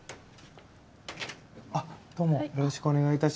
あっどうもよろしくお願いいたします。